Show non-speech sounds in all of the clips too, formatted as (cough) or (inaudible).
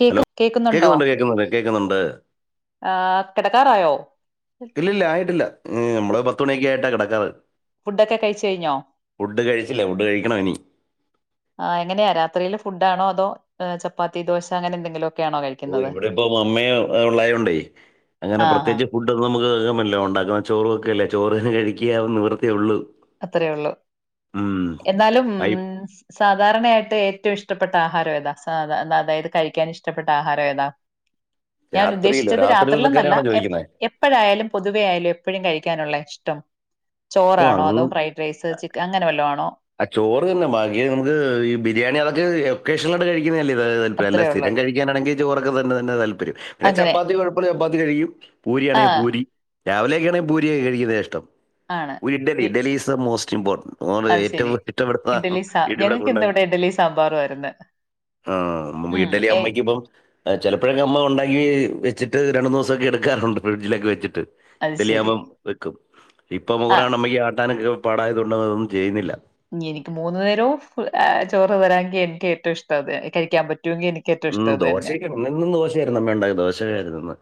Cake hello കേക്കുന്നുണ്ടോ കേക്കുന്നുണ്ട് കേക്കുന്നുണ്ട് കേക്കുന്നുണ്ട് ആ കിടക്കാറായോ ഇല്ല ഇല്ല ആയിട്ടില്ല ഫു നമ്മള് പത്തു മണിയൊക്കെയായിട്ടാ കെടക്കാറ് ഫുഡൊക്കെ കഴിച്ച് കഴിഞ്ഞോ ഫുഡ് കഴിച്ചില്ല ഫുഡ് കഴിക്കണം ഇനി ആ എങ്ങനെയാ രാത്രീല് ഫുഡാണോ അതോ ചപ്പാത്തി ദോശ അങ്ങന എന്തെങ്കിലോ ഓ ഇവിടിപ്പോ മമ്മയോ ഒള്ളായോണ്ടെ അങ്ങന ആ ആ പ്രേത്തെച്ച് ഫുഡൊക്കെ നമുക്ക് നമല്ലെ ഒണ്ടാക്കുന്ന ചോറു ഒക്കെല്ലെ ചോറ് കഴിക്കുക നിവൃത്തിയോള്ളൂ അത്രേ ഒള്ളു എന്നാലും ഐ ഉം സാധാരണയായിട്ട് ഏറ്റോം ഇഷ്ടപ്പെട്ട ആഹാരം ഏതാ സാധ അത അതായത് കഴിക്കാനിഷ്ടപ്പെട്ട ആഹാരം ഏതാ രാത്രിയിലോ ഞാനുദ്ദേശിച്ചത് രാത്രിയിലൊക്കെ രാത്രിൽന്നല്ല തന്നെയാണോ എപ്പ് ചോദിക്കുന്നത് എപ്പഴായാലും പൊതുവെ ആയാലും എപ്പഴും കഴിക്കാനുള്ള ഇഷ്ടം ഓ ചോറാണോ അങ്ങ് അതോ ഫ്രൈ ഡ്രൈസ് ചിക്ക അങ്ങന വെല്ലോ ആണോ ആ ചോറ് തിന്നും ബാക്കി നമുക്ക് ഈ ബിരിയാണി അതൊക്കെ വെക്കേഷ്ണലാട്ട് കഴിക്കുന്നയല്ലെ ത തൽപര്യം അല്ലാ അത്രേ ഉള്ളൂ സ്ഥിരം കഴിക്കാനാണെങ്കി ചോറൊക്ക തന്ന തന്ന താൽപര്യം പിന്നെ അങ്ങനെ ചാപ്പാത്തി കൊഴ ചപ്പാത്തി കഴിക്കും ആ പൂരിയാണെങ്കി പൂരി രാവിലെയൊക്കെണെങ്കി ബൂരിയ കഴിക്കുന്നെയ ഇഷ്ടം ആണ് idli idli is most important (unintelligible) അത് (unintelligible) ശരി. ഇറ്റപ്പെടുത്ത ഇഡ്ഡലി സാ ഇടിവിടെ ഞങ്ങൾക്ക് കൊണ്ട ഇന്ന് ഇവിടെ ഇഡ്ഡലി സാമ്പാറും ആയിരുന്നു. ആഹ് ഉം. ഇഡലി ഏയ് അമ്മയ്ക്കിപ്പം ആഹ് ചിലപ്പഴ്ക്കെ അമ്മ ഒണ്ടാക്കി വെച്ചിട്ട് രണ്ടൂന്ന് ദിവസൊക്കെ എടുക്കാറുണ്ട് ഫ്രിഡ്ജിലക്കെവെച്ചിട്ട് അത് ശരി വെക്കും ഇപ്പൊ ആ മൂറാണ് അമ്മക്ക് ആട്ടാനൊക്കെ പാടായതൊണ്ട് അതൊന്നും ചെയ്യുന്നില്ല എനിക്ക് മൂന്ന് നേരവും അ ചോറ് തരാങ്കി എനിക്ക് ഏറ്റവും ഇഷ്ട അത് കഴിക്കാം പറ്റുവെങ്കി എനി ഉം ദോശക്ക് എന്നോന്നും ദോശയായിരുന്നു അമ്മ ഒണ്ടാക്ക ദോശയായിരുന്നുന്ന്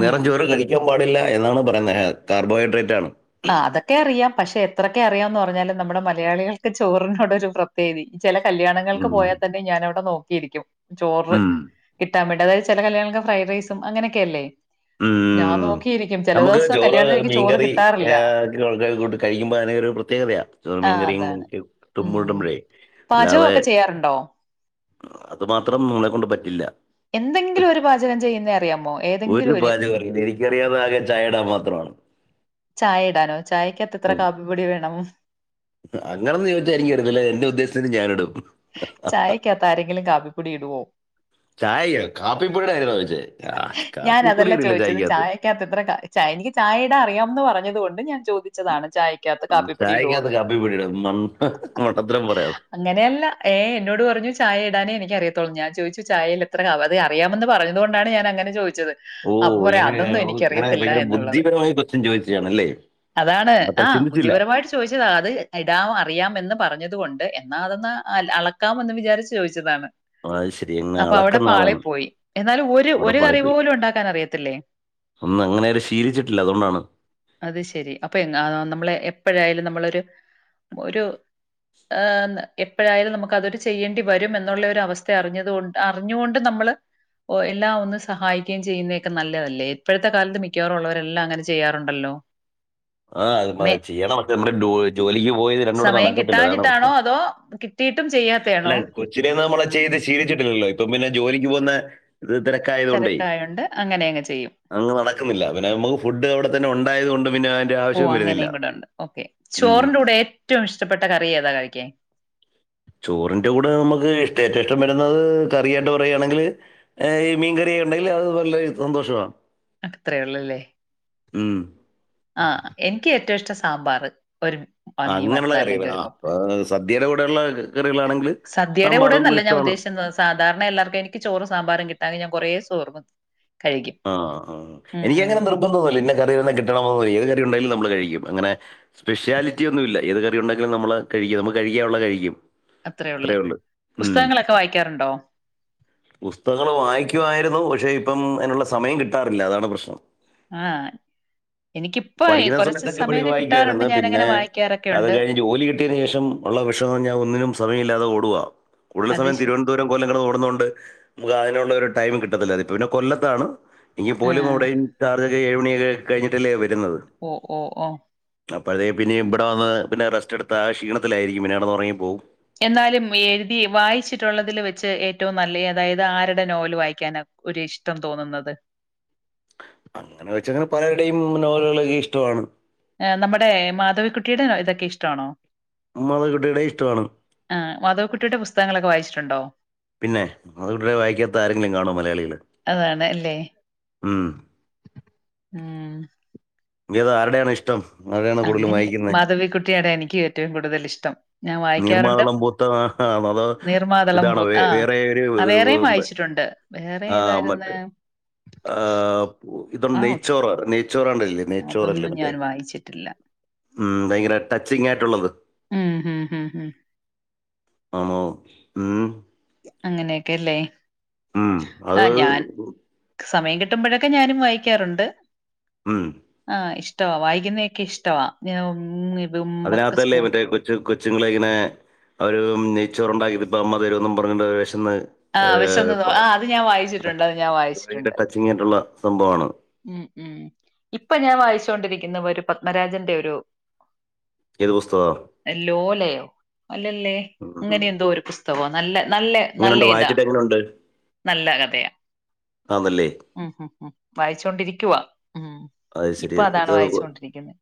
ഉം. ചോറ് കഴിക്കാം പാടില്ല എന്നാണ് പറയുന്നെ അ കാർബോഹൈഡ്രേറ്റാണ് ആഹ് അതക്കെറിയാം പക്ഷെ എത്രക്കെ അറിയാംന്ന് പറഞ്ഞാലും നമ്മുടെ മലയാളികൾക്ക് ചോറിനോടൊരു പ്ര തേവി ചെല കല്യാണങ്ങൾക്ക് ഉം. പോയാതന്നെ ഞാനവിടെ നോക്കിയിരിക്കും ചോറ് ഉം. കി ട്ടാവെണ്ടത് അതായത് ചെല കല്യാണങ്ങൾക്ക് ഫ്രൈ ഡ്രൈസും അങ്ങനക്കെയല്ലെ ഞാൻ ഉം. നോക്കീരിക്കും ചെല ദോസം കല്യാണത്തിന് എനിക്ക് ചോറ് കിട്ട് (unintelligible) കഴിക്കുമ്പ അതിനക്കൊരു പ്രത്യേകതയാ ചോറ് ആ മീൻ കറിയും (unintelligible) പാചകൊക്കെ ചെയ്യാറുണ്ടോ അതു മാത്രം നമ്മളെ കൊണ്ട് പറ്റില്ല എന്തെങ്കിലു ഒരു പാചകം ചെയ്യുന്നെ അ റിയാമോ ഏതെങ്കിൽ ഒരു പാചകറിയൂല എനിക്കറിയാവ്ന്ന ആകെ ചായടാ മാത്രമാണ് ചായ ഇടാനോ ചായക്കാത് എത്ര കാപ്പിപ്പൊടി വേണം അ അങ്ങനൊന്ന് ചോയിച്ചാ എനിക്കറിയത്തില്ല എന്റ ഉദ്ദേശത്തിന് ഞാന് ഇടും ക്കാത്ത് ആരെങ്കിലും കാപ്പിപ്പൊടി ഇടുവോ ചായിയോ കാപ്പിപ്പൊടീട കാര്യാണോ ചോയിച്ചെ അ കാപ്പിപ്പൊടി ഇടില്ല ചായക്കാത്ത് ക്കാത്ത് എത്ര കാ ചായ എനി ചായെടാറിയാംന്ന് പറഞ്ഞത് കൊണ്ട് ഞാൻ ചോദിച്ചതാണ് ചായക്ക് ചായക്കാത്ത് കാപ്പിപൊടീടോ മൺ ണ്ട മണ്ടത്തരം പറയാത അങ്ങനയല്ല ഏ എന്നോട് പറഞ്ഞു ചായെടാനെ എനിക്ക അറിയത്തോള് ഞാൻ ചോയിച്ചു ചായലെത്ര അതേ അറിയാമെന്ന് പറഞ്ഞത് കൊണ്ടാണ് ഞാൻ അങ്ങനെ ചോദിച്ചത് ഓ അപ്പൊ പറയാ ഇങ്ങനെ അതൊന്നും ഇങ്ങനെ എനിക്കറിയത്തില്ല ഭയങ്കര എന്നുള്ളത്. ബുദ്ധിപരമായി കൊസ്റ്റ്യൻ ചോദിച്ചതണല്ലേ അതാണ് ആഹ് ബുദ്ധിപരമായിട്ട് ചോദിച്ചതാ അത് ഇടാം അറിയാ എന്ന് പറഞ്ഞത് കൊണ്ട് എന്നാ അതൊന്ന് അളക്കാമെന്ന് വിചാരിച്ചു ചോദിച്ചതാണ് അത് ശരി എന്നെ അപ്പൊ അളക്ക അവിടെ പാളി പോയി എന്നാലും ഒരു ഒരു കറി പോലും ഉണ്ടാക്കാൻ അറിയത്തില്ലേ ഒന്നും അങ്ങനെ അര് ശീലിച്ചിട്ടില്ല അതുകൊണ്ടാണ് അത് ശെരി അപ്പൊ നമ്മള് എപ്പഴായാലും നമ്മളൊരു ഒരു എപ്പോഴായാലും നമുക്ക് അതൊരു ചെയ്യേണ്ടി വരും എന്നുള്ള ഒരു അവസ്ഥ അറിഞ്ഞത് കൊണ്ട് അറിഞ്ഞോണ്ട് നമ്മള് ഓ എല്ലാം ഒന്ന് സഹായിക്കെം ചെയ്യുന്നതൊക്കെ നല്ലതല്ലേ ഇപ്പോഴത്തെ കാലത്ത് മിക്കവാറുള്ളവരെല്ലാം അങ്ങനെ ചെയ്യാറുണ്ടല്ലോ ആഹ് മെ അത് ചെയ്യണം മ നമ്മ ജോലിക്ക് പോയത് രണ്ടും കൂടെ നടക്കത്തില്ലതാണ് ട്ടാണോ അതോ കി കിട്ടീട്ടും ചെയ്യാത്തെയാണോ കൊച്ചിലെ നമ്മളെ ചെയ്ത് ശീലിച്ചിട്ടില്ലല്ലോ ഇപ്പൊ പിന്നെ ജോലിക്ക് പോകുന്ന ഇത് തിരക്കായത് കൊണ്ടേ ങ്ങ ചെയ്യും അങ്ങ് നടക്കുന്നില്ല പിന്നെ നമുക്ക് ഫുഡ് അവിടെത്തന്നെ ഉണ്ടായത് കൊണ്ട് പിന്നെ ഓ ആവശ്യവും വരുന്നില്ല അങ്ങനെയും കൂടെ ഉണ്ട് ഓക്കേ ഉം. ചോറിന്റെ കൂടെ ഏറ്റവും ഇഷ്ടപ്പെട്ട കറി ഏതാ കഴിക്കാൻ ചോറിന്റെ കൂടെ നമുക്ക് ഇഷ്ട ഏറ്റവും ഇഷ്ടം വരുന്നത് കറിയായിട്ട് പറയുകയാണെങ്കിൽ ഈ മീൻ കറി ഉണ്ടെങ്കിൽ അത് വല്ല സന്തോഷമാണ് അത്രയൊള്ളല്ലേ ഉം ആഹ് എനിക്ക് ഏറ്റവും ഇഷ്ടം സാമ്പാർ ആ, ആഹ് മീൻ അങ്ങനെയുള്ള വർത്തത് കറികൾ അല്ലെങ്കിൽ ഒരു ആ പപ്പടം ഏഹ് സദ്യയുടെ കൂടെയുള്ള കറികളാണെങ്കിൽ സദ്യയുടെ സാമ്പാറും കൂടെന്നല്ല ഞാൻ ഇഷ്ടമാണ് ഉദ്ദേശിക്കുന്നത് സാധാരണ എല്ലർക്കും എനിക്ക് ചോറും സാമ്പാറും കിട്ടാങ്കി ഞാൻ കുറെ ചോർണും ആഹ് എനിക്കങ്ങനെ നിർബന്ധംന്നില്ല ഇന്ന കറിയെന്നെ കിട്ടണമെന്നൊന്നില്ല ഏത് കറി ഉണ്ടായാലും നമ്മൾ കഴിക്കും അങ്ങനെ സ്പെഷ്യാലിറ്റി ഒന്നും ഇല്ല ഏത് കറി ഉണ്ടെങ്കിലും നമ്മള് കഴിക്കും നമുക്ക് കഴിക്കാനുള്ള കഴിക്കും അത്രേ ഉള്ള് പുസ്തകങ്ങളൊക്കെ വായിക്കാറുണ്ടോ? പുസ്തകങ്ങള് വായിക്കുവായിരുന്നു പക്ഷെ ഇപ്പം അതിനുള്ള സമയം കിട്ടാറില്ല അതാണ് പ്രശ്നം ആഹ് എനിക്കിപ്പോ പഠിക്കുന്ന കുറച്ച് സമയത്തൊക്കെ എപ്പഴും സമയമൊക്കെ കിട്ടാറുണ്ട് വായിക്കുമായിരുന്നു ഞാനങ്ങനെ പിന്നെ വായിക്കാറൊക്കെ അത് ഉണ്ട് കഴിഞ്ഞ് ജോലി കിട്ടിയതിന് ശേഷം ഉള്ള വെഷമം ഞാൻ ഒന്നിനും സമയമില്ലാതെ ഓടുവ ഉള്ള അത് സമയം ശ തിരുവനന്തപുരം പുരം കൊല്ലങ്ങനെ ഓടുന്നത്കൊണ്ട് നമുക്ക് അതിനുള്ള ഒരു ടൈം കിട്ടത്തില്ല ഇത് പിന്നെ കൊല്ലത്താണ് ഈ പോലും ആഹ് അവിടയും ചാർജൊക്കെ ഏഴ് മണിയൊക്കെ കഴിഞ്ഞിട്ടല്ലേ വരുന്നത് ഓഹ് ഓഹ് ഓഹ് അപ്പഴെ അതെ പിന്ന ഇവിടെ വന്ന് പിന്നെ റെസ്റ്റ്ടുത്ത ആഹ് ക്ഷീണത്തിലായിരിക്കും പിന്നെ കിടന്ന് ഉറങ്ങി പോകും എന്നാലും എഴുതി വായിച്ചിട്ടുള്ളതിൽ വെച്ച് ഏറ്റവും നല്ല അതായത് ആരുടെ നോവല് വായിക്കാന ഒരു ഇഷ്ടം തോന്നുന്നത് അങ്ങനെ ചോച്ച ങ്ങനെ പലരുടെയും നോവലുകളൊനിക്ക് ഇഷ്ടമാണ് നമ്മുടെ മാധവിക്കുട്ടിയുടെ ഇതൊക്കെ ഇഷ്ടമാണോ മാധവികുട്ടിയുടെ ഇഷ്ടമാണ് ആഹ് മാധവി കുട്ടിയുടെ പുസ്തകങ്ങളൊക്കെ വായിച്ചിട്ടുണ്ടോ പിന്നെ അവരുടെ വായിക്കാത്ത ആരെങ്കിലും കാണോ മലയാളികളിൽ അതാണ് അല്ലേ ഉം ഉം ങ്ങക്ക് ആരുടെണ് ഇഷ്ടം ആരുടെയാണ് കൂടുതലും അങ്ങനെ വായിക്കുന്നത് മാധവിക്കുട്ടിടെയാണ് എനിക്ക് ഏറ്റവും കൂടുതൽ ഇഷ്ടം ഞാൻ വായിക്കാറുണ്ട് നീർമാതളം പൂത്ത അതോ നിർമാതളം ഇതാണോ പൂത്ത് വേ- ആഹ് വേറെ ഒരു ആ വേറെയും ഉം, വായിച്ചിട്ടുണ്ട് വേറെ ഏതായിരുന്ന് ആഹ് ന്താ ആഹ് നേയ്ച്ചോർ നെ നെയ്ച്ചോറാണ്ടല്ലേ നച്ചോർ അല്ലേ അതൊന്നും മറ്റേ ഞാൻ വായിച്ചിട്ടില്ല. ഉം ഭയങ്കര ടച്ചിങ് ആയിട്ടുള്ളത് ഉം ഉം ഉം ഉം ആണോ ഉം അങ്ങനെയൊക്കെല്ലേ ഉം അത് ആഹ് ഞാൻ സമയം കിട്ടുമ്പോഴൊക്കെ ഞാനും വായിക്കാറുണ്ട് ഉം ആഹ് ഇഷ്ടവാ വായിക്കുന്നത് ഒക്കെ ഇഷ്ടവാ ഇത് ഉമ്മക്ക് അതിനകത്തല്ലേ സ്കൂ ഇവരെ കൊച്ച് കൊച്ച് കൊച്ചുങ്ങളെ ഇങ്ങനെ അവര് നെയ്ച്ചോറണ്ടാക്കിത് ഇപ്പം അമ്മതരോന്നും പറഞ് വെഷന്ന് ആഹ് വിശന്ന് ആഹ് അത് ഞാൻ വായിച്ചിട്ടുണ്ട് അത് ഞാൻ വായിച്ചിട്ടുണ്ട് ങ്ങിയിട്ടുള്ള സംഭവആണ് ഉം ഉം ഇപ്പൊ ഞാൻ വായിച്ചുകൊണ്ടിരിക്കുന്ന ഒരു പത്മരാജന്റെ ഒരു ഏത് പുസ്തകമാണ് ല്ലോലയോ അല്ലല്ലേ ഇങ്ങനെ എന്തോ ഒരു പുസ് പുസ്തക നല്ലെ നല്ലെ നല്ല എങ്ങനെയുണ്ട് ഇതാ വായിച്ചിട്ട് എങ്ങനെയുണ്ട് നല്ല കഥയാ ആന്നല്ലേ ഉം ഉം ഉം വായിച്ചൊണ്ടിരിക്കുവാ ഉം അത് ശരി ഇപ്പൊ അതാണ് ഇത് വായിച്ചൊണ്ടിരിക്കുന്നെ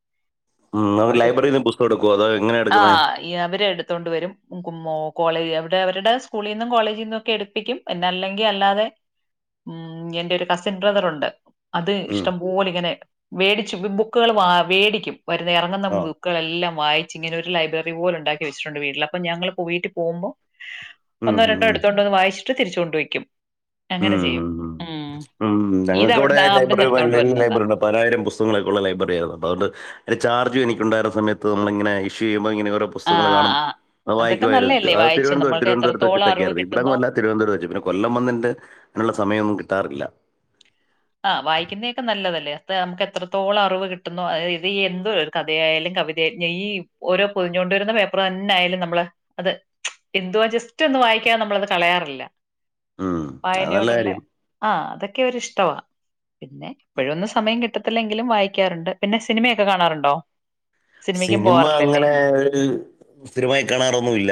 ഉം ഇങ്ങള് ലൈബ്രറി പുസ്തകം എടുക്കോ അതേ എങ്ങനെ എടുക്ക ആഹ് അവര് എടുത്തോണ്ട് വരും മേൾ കോളേജ് അവടെ അവരുടെ സ്കൂളിൽ നിന്നും കോളേജിൽ നിന്നും ഒക്കെ എടുപ്പിക്കും പിന്നെ അല്ലെങ്കിൽ അല്ലാതെ ഉം എന്റെ ഒരു കസിൻ ബ്രദറുണ്ട് അത് ഇഷ്ടം പോലെ ഇങ്ങനെ വേടിച്ചു ബുക്കുകൾ വാ വേടിക്കും വരുന്ന ഇറങ്ങുന്ന ആ ബുക്ക് കൾ ക്കളെല്ലാം വായിച്ച് ഇങ്ങനെ ഒരു ലൈബ്രറി പോലെ ഉണ്ടാക്കി വച്ചിട്ടുണ്ട് വീട്ടിൽ അപ്പൊ ഞങ്ങള് പോയിട്ട് പോകുബോ ഉം ഒന്നോ ഉം രണ്ടോ എടുത്തോണ്ടോന്ന് വായിച്ചട്ട് തിരിച്ച് കൊണ്ട് വയ്ക്കും ഉം അങ്ങനെ ചെയ്യും ഉം ഉം ഉം ഇത് ഞങ്ങൾക്ക് ഇവിടെ അവിടുന്ന് ആ അവിടുന്ന് ലൈബ്രറി എടുത്തോണ്ട് വല്യ വരുന്നതാ ലൈബ്രറി പതിനായിരം പുസ്തങ്ങളൊക്കെയുള്ള ലൈബ്രറി ആയിരുന്നു അപ്പ അതൊണ്ട് അതിന്റെ ചാർജ് എനിക്കുണ്ടായിരുന്ന സമയത്ത് നമ്മളിങ്ങനെ ഇഷ്യയ്യുമ്പോ ഇങ്ങനെ വെ റെ പുസ്തകങ്ങള് ആഹ് കാണും ആഹ് അത് അതൊക്കെ വായിക്കുവായിരുന്നു നല്ലതല്ലേ അത് വായിച്ചു തിരുവന്തപുരത്ത് നമ്മൾക്ക് തിരുവനന്തപുരത്ത് എത്രത്തോളം അറിവ് വെച്ചിട്ടക്കെയായിരുന്നു കിട്ടുന്നോ ഇവിടങ്ങുവല്ല തിരുവനന്തപുരം വെച്ചിട്ട് പിന്നെ കൊല്ലം വന്ന്ണ്ടെ അയിനുള്ള സമയൊന്നും കിട്ടാറില്ല ആഹ് വായിക്കുന്നയെക്കെ നല്ലതല്ലേ അപ്പോ നമുക്ക് എത്രത്തോളം അറിവ് കിട്ടുന്നൊ ഇത് എന്തോ കഥയായാലും കവിതയാ ഈ ഓരോ പൊതിഞ്ഞോണ്ട് വെരുന്ന പേപ്പറ് തന്നായാലും നമ്മള് അത് എന്തുവാ ജസ്റ്റൊന്ന് വായിക്കാതെ നമ്മളത് കളയാറില്ല ഉം അത് നല്ല വായനയോടുള്ള കാര്യം ആ അതൊക്കെയൊരിഷ്ടവാ പിന്നെ ഇപ്പഴൊന്നും സമയം കിട്ടത്തില്ലെങ്കിലും വായിക്കാറുണ്ട് പിന്നെ സിനിമയൊക്കെ കാണാറുണ്ടോ? സിനിമയ്ക്കും സിനിമ പോവാറില്ലല്ലേ അങ്ങനെ ഒരു സ്ഥിരമായി കാണാറൊന്നുവില്ല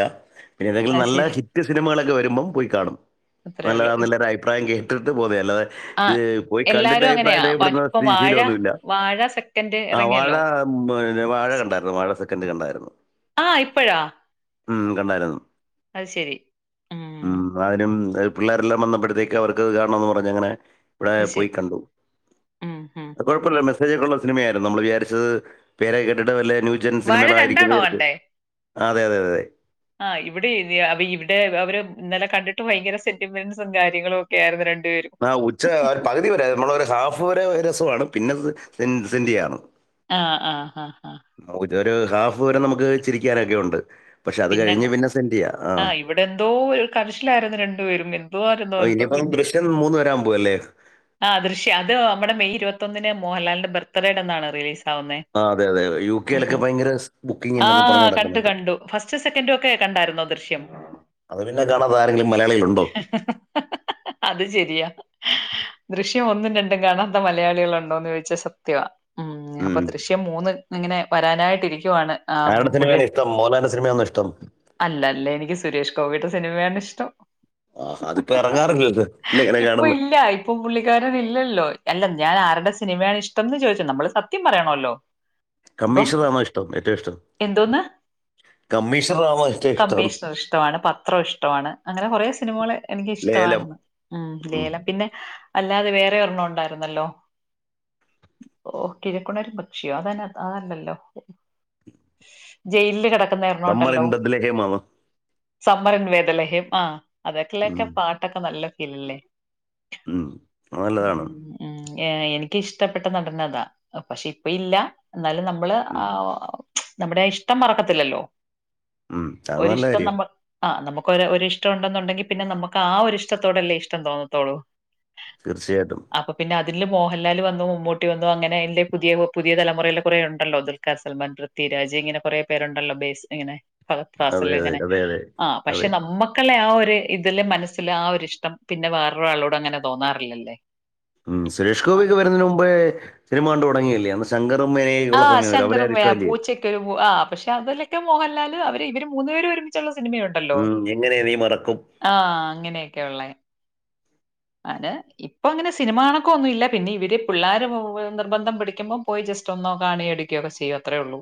പിന്നെ എന്തെങ്കിലും അത് നല്ല ശരി ഹിറ്റ് സിനിമകളൊക്കെ വരുമ്പം പോയി കാണും അത്രേ ഉള്ളൂ ഇ- നല്ലതാന്ന്ല്ലേ ഒര് അഭിപ്രായം കേട്ടിട്ട് പോകുന്നയാ അല്ലാതെ ആ ഇത് പോയി കണ്ടിട്ട് എല്ലാരും അങ്ങനെയാ അഭിപ്രായം വ- ഇവിടന് ഇപ്പൊ വാഴ ശീലമൊന്നുമില്ല വാഴ സെക്കൻഡ് ആ വാഴ ഇറങ്ങിയല്ലോ പിന്നെ വാഴ സ്- കണ്ടായിരുന്നു വാഴ സെക്കൻഡ് കണ്ടായിരുന്നു ആ ഇപ്പോഴാ ഉം കണ്ടായിരുന്നു അഹ് ശെരി ഉം കാര്യം പിള്ളേരെല്ലാം വന്നപ്പൊഴത്തേക്ക് അവർക്കത് കാണണംന്ന് പറഞങ്ങനെ ഇവിടെ അത് പോയി ശരി കണ്ടു ഉം ഉം ഉം കൊഴപ്പല്ല ഉം. മെസ്സേജൊക്കെയൊള്ള സിനിമയായിരുന്നു നമ്മള് വിചാരിച്ചത് പേരെ കേട്ടിട്ട് വല്ല ന്യൂജൻ വാഴ സിനിമകളായിരിക്കുന്ന് രണ്ടാണോ വിചാർച്ചെ ആഹ് അതെ അതെ അതെ അതെ ആ് ഇവിടെ അവി ഇവിടെ അവര് ഇന്നലെ കണ്ടിട്ട് ഭയങ്കര സെന്റിമെന്സും കാര്യങ്ങളുവൊക്കെ ആയിരുന്നു രണ്ടുപേരും ആഹ് ഉച്ച പകുതി വരെ നമ്മളൊരു ഹാഫ് വരെ രസവാണ് പിന്നെ സെൻ സെന്റിയാണ് ആഹ് ആഹ് ആഹ് ആഹ് ഒരു ഹാഫ് വരെ നമുക്ക് ചിരിക്കാനൊക്കെയുണ്ട് പക്ഷെ അത് കഴിഞ്ഞ് പിന്നെ സെന്റിയാ ആഹ് ഇവിടെന്തോ കരച്ചിലായിരുന്നു രണ്ടുപേരും ഇര് ആഹ് ഇനിയിപ്പം ദൃശ്യം മൂന്ന് വരാം പോവല്ലേ? ആഹ് ദൃശ്യം അത് നമ്മടെ മെയ് ഇരുപത്തൊന്നിന് മോഹൻലാലിന്റെ ബർത്ത്ഡേടന്നാണ് റിലീസാവുന്നേ? ആ അതെയതെ അതെ യു കെ ലൊക്കെ ഭയങ്കര ആ ബുക്കിംങ്ങാന്നൊക്കെ പറഞ് കണ്ടു നടക്കുന്നുണ്ട് കണ്ടു ഫസ്റ്റ് സെക്കൻഡുംവൊക്കെ കണ്ടായിരുന്നോ ദൃശ്യം? അത് പിന്നെ കാണാതെ ആരെങ്കിലും മലയാളികളുണ്ടോ അത് ശെരിയാ ദൃശ്യം ഒന്നും രണ്ടും കാണാത്ത മലയാളികളുണ്ടോന്ന് ചോയിച്ചാ സത്യവാ ഉം അപ്പം ദൃശ്യം മൂന്ന് ഇങ്ങനെ വരാനായിട്ടിരിക്കുവാണ് ആ, ആരുടെ സിനിമയാണിഷ്ടം മോഹൻലാലിൻ്റെ സിനിമയാന്നോയിഷ്ടം? അല്ലല്ല എനിക്ക് സുരേഷ് ഗോപിയുടെ സിനിമയാണിഷ്ടം ആഹാ അതിപ്പോ എറങ്ങാറില്ലല്ലോ പിന്നെങ്ങനെ കാണുന്നെ ഇപ്പം പുള്ളിക്കാരനില്ലല്ലോ അല്ല ഞാൻ ആരുടെ സിനിമയാണിഷ്ടംന്ന് ചോദിച്ചത് നമ്മള് സത്യം പറയണോല്ലോ (inaudible) കമ്മീഷണറാന്നോയിഷ്ടം ഏറ്റവും ഇഷ്ടം എന്തോന്ന് കമ്മീഷണറാന്നോ ഇഷ കമ്മീഷണർ ഇഷ്ടവാണ് പത്രം ഇഷ്ടമാണ് അങ്ങനെ കൊറെ സിനിമകള് ലേലം എനിക്ക്ഷ്ടമായിര്ന്ന് ഉം ലേലം പിന്നെ അല്ലാതെ വേറെയൊരെണ്ണം ഒണ്ടായിരുന്നല്ലോ? ഓ കിഴക്കുണരും പക്ഷിയോ അതന്നെ അതല്ലല്ലോ ജയില്ൽ കെടക്കുന്നേ? സമ്മർ ണ്ടല്ലോ ഇൻ ബദ്ലേഹമാണോ സമ്മരൻ വേദലഹം ആ അതൊക്കെലെക്കെ ഉം. പാട്ട് ക്കെ നല്ല ഫീലല്ലേ? ഉം അഹ് ഉം നല്ലതാണ് ഉം എനിക്കിഷ്ടപ്പെട്ട നടനതാ പക്ഷെയിപ്പയില്ല എന്നാലും നമ്മ ള് ഉം. ആഹ് നമ്മുടെയാ ഇഷ്ടം മറക്കത്തില്ലല്ലോ ഉം. അത് നല്ല ഒരിഷ്ടം കാര്യം നമ്മ ആ് നമ്മക്കൊര് ഒരിഷ്ടവൊണ്ടെന്നുണ്ടെങ്കി പിന്നെ നമുക്ക് ആ ഒരു ഇഷ്ടത്തോടെല്ലേ ഇഷ്ടം തോന്നത്തൊള്ളു തീർച്ചയായിട്ടും അപ്പൊ പിന്നെ അതില് മോഹൻലാൽ വന്നു മമ്മൂട്ടി വന്നു അങ്ങനെ അയില് പുതിയ പുതിയ തലമുറയിലെ കുറേയുണ്ടല്ലോ ദുൽഖർ സൽമാൻ പൃഥീരാജ് ഇങ്ങനെ കൊറേ പേരുണ്ടല്ലോ ബേസിൽ ഇങ്ങനെ ഫഹദ് അതെ ഫാസിൽ അതെ ഇങ്ങനെ അതെ അതെ ആ പക്ഷെ അതെ നമ്മക്ക് മക്കളെ ആ ഒരു ഇതില് മനസ്സില് ആ ഒരിഷ്ടം പിന്നെ വേറൊരാളോടും അങ്ങനെ തോന്നാറില്ലല്ലേ ഉം സുരേഷ് ഗോപിയൊക്കെ വരുന്നന് മുമ്പേ സിനിമ കൊണ്ട് തുടങ്ങയില്ല ആ! ശങ്കറമ്മേനേക്കള്ള സമയമല്ല അവരെ 'ശങ്കറും ആരെയും വേ ഇഷ്ടമല്ലേ പൂച്ചയ്ക്കൊരു ആ പക്ഷെ അതിലൊക്കെ മോഹൻലാല് അവര് ഇവര് മൂന്ന് പേര് ഒരുമിച്ചുള്ള സിനിമയുണ്ട് ഉം എങ്ങനെ നീ മറക്കും ആഹ അങ്ങനെയൊക്കെയ ഉള്ളത് അതെ ഇപ്പൊ അങ്ങനെ സിനിമാണക്കം ഒന്നും ഇല്ല പിന്നെ ഇവര് പിള്ളേർ നിർബന്ധം പിടിക്കുമ്പോം പോയി ജസ്റ്റ് ഒന്നോ കാണി എ ക്കെ ചെയ്യും അത്രേ ഉള്ളൂ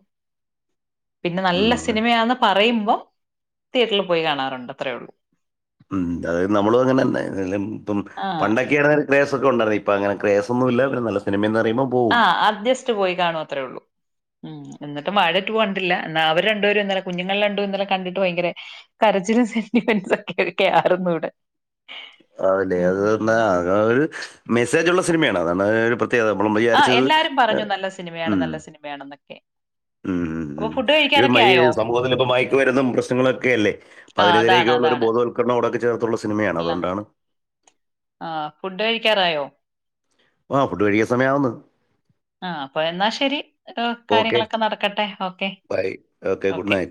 പിന്നെ നല്ല ഉം. സിനിമയാന്ന് പറയുമ്പം തിയേറ്ററിൽ പോയി കാണാറുണ്ട് അത്രേ ഉള്ളൂ ഉ അതായത് നമ്മള അങ്ങനെ തന്നെ ഇപ്പം ആ. പണ്ടൊക്കെയ ആണൽ ക്രേസ ഒക്ക ഉണ്ടായിരുന്നു ഇപ്പോ അങ്ങന ക്രേസാന്നുല്ല പിന്നെ നല്ല സിമയന്ന് പറയുമ്പൾ ആ ജാസ്റ്റ് പോയി കാണു അത്രേ ഉള്ളൂ ഉം എന്നിട്ട് വാഴ ടു കണ്ടില്ല എന്നാ അവര് രണ്ടുപരും ഇന്നല കുഞ്ഞുങ്ങൾ രണ്ടും ഇന്നലെ കണ്ടിട്ട് ഭയങ്കര കരച്ചിലും സെന്റിമെൻറ്സും ഒക്കെ ആരുന്നു ഇവിടെ അതല്ലെ ഉം. അത്അ ഒരു മെസ്സേജ്ള്ള സിനിമയാണ് അതാണ് പ്രത്യത നമ്മളം ആഹ് വിചാരിച്ചത് എല്ലാരും പറഞ്ഞു നല്ല ഉ സിനിമയാണ് നല്ല സിനിമയാണെന്നൊക്കെ. ഉം ഉം അപ്പൊ ഫുഡ് ഉം കഴിക്കാറൊക്കെ ഈ ഈ ആയോ? സമൂഹത്തിൽ ഇപ്പ മയക്ക് മരുന്നും പ്രശ്നങ്ങളൊക്കെ അല്ലേ ആഹ് അതിനെതിരേക്കുള്ള ഒരു ബോധവൽക്കരണം ഇതൊക്ക ചേർത്തുള്ള സിനിമയാണ് ല്ലെ അതുകൊണ്ടാണ് ആ ഫുഡ് കഴിക്കാറായോ ആഹ് ഫുഡ് കഴിക്കാൻ സമയമാകുന്ന് ആ അപ്പൊ എന്നാ ശരി ഓക്കെ കാര്യങ്ങളൊക്കെ നടക്കട്ടെ okay bye good okay night